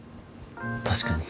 確かに。